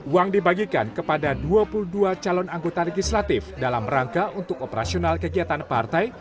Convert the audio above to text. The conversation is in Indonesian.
uang dibagikan kepada dua puluh dua calon anggota legislatif dalam rangka untuk operasional kegiatan partai